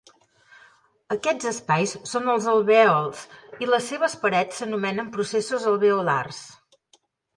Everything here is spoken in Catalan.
Aquests espais són els alvèols i les seves parets s'anomenen processos alveolars.